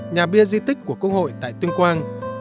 nhà bia di tích của quốc hội tại tuyên quang